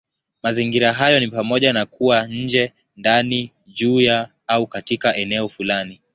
Mazingira hayo ni pamoja na kuwa nje, ndani, juu ya, au katika eneo fulani.